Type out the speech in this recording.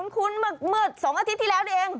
คุ้นมืด๒อาทิตย์ที่แล้วนี่เอง